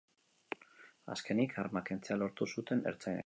Azkenik, arma kentzea lortu zuten ertzainek.